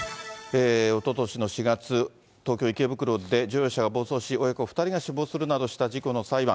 おととしの４月、東京・池袋で乗用車が暴走し、親子２人が死亡するなどした事故の裁判。